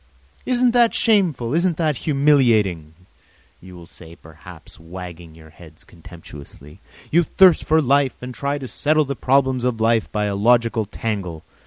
"Isn't that shameful, isn't that humiliating?" you will say, perhaps, wagging your heads contemptuously. "You thirst for life and try to settle the problems of life by a logical tangle.